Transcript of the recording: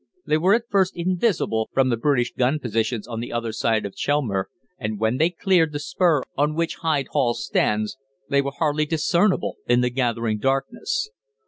They were at first invisible from the British gun positions on the other side of the Chelmer, and when they cleared the spur on which Hyde Hall stands they were hardly discernible in the gathering darkness.